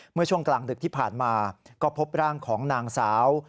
เมื่อช่วงกลางดึกที่ผ่านมาก็พบร่างของนางสาว